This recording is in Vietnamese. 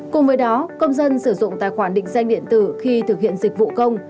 cùng với đó công dân sử dụng tài khoản định danh điện tử khi thực hiện dịch vụ công